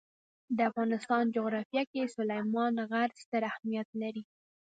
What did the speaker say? د افغانستان جغرافیه کې سلیمان غر ستر اهمیت لري.